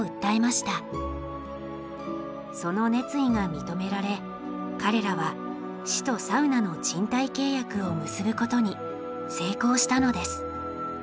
その熱意が認められ彼らは市とサウナの賃貸契約を結ぶことに成功したのです。